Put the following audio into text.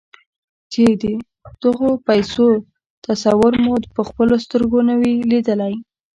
چې د غو پيسو تصور مو پهخپلو سترګو نه وي ليدلی.